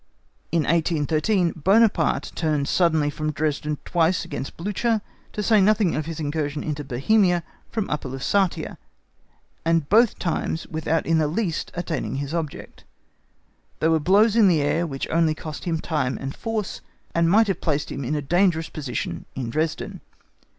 In 1813, Buonaparte turned suddenly from Dresden twice against Blücher, to say nothing of his incursion into Bohemia from Upper Lusatia, and both times without in the least attaining his object. They were blows in the air which only cost him time and force, and might have placed him in a dangerous position in Dresden.